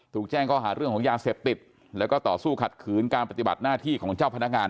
แจ้งข้อหาเรื่องของยาเสพติดแล้วก็ต่อสู้ขัดขืนการปฏิบัติหน้าที่ของเจ้าพนักงาน